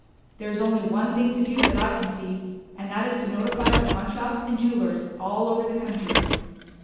There is only one thing to do that I can see, and that is to notify the pawnshops and jewelers all over the country."